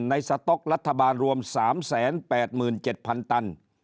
สต๊อกรัฐบาลรวม๓๘๗๐๐ตัน